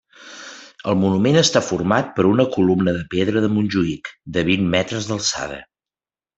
El monument està format per una columna de pedra de Montjuïc de vint metres d'alçada.